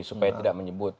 supaya tidak menyebut